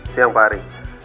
siang pak hari